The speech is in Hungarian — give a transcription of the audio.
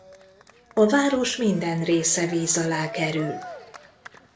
A város minden része víz alá kerül.